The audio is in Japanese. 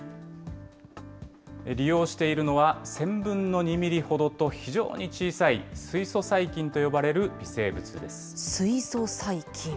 利用しているのは、１０００分の２ミリほどと、非常に小さい水素細菌と呼ばれる微生物です。